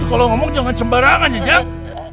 kalau ngomong jangan cembarang aja jang